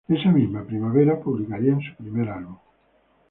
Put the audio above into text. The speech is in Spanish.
Esa misma primavera, publicarían su primer álbum.